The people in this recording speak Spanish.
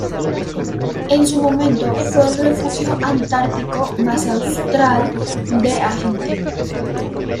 En su momento fue el refugio antártico más austral de Argentina.